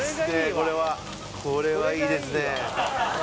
これはこれはいいですね